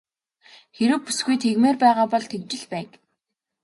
Хэрэв бүсгүй тэгмээр байгаа бол тэгж л байг.